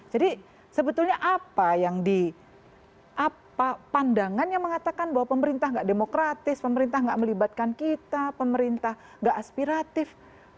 jadi sebetulnya apa yang dipandangannya mengatakan bahwa pemerintah tidak demokratis pemerintah tidak melibatkan kita pemerintah tidak aspiratif